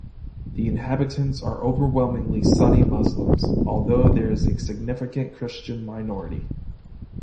The inhabitants are overwhelmingly Sunni Muslims, although there is a significant Christian minority.